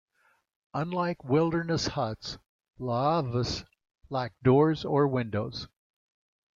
Unlike wilderness huts, laavus lack doors or windows.